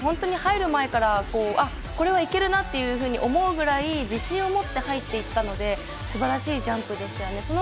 入る前からこれはいけるなと思うくらい自信を持って入っていったので、すばらしいジャンプでしたよね。